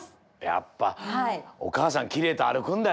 やっぱおかあさんきれいとあるくんだな。